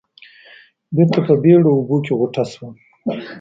بېرته په بېړه اوبو کې غوټه شوم.